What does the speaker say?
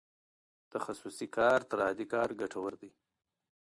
تخصصي کار تر عادي کار ګټور دی.